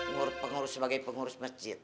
menurut pengurus sebagai pengurus masjid